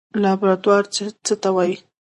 لابراتوار څه ته وایي؟